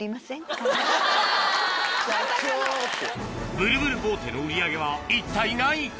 ブルブルボーテの売り上げは一体何位か？